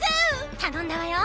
たのんだわよ。